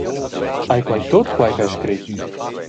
Ei quei tut quei ch’ei scret?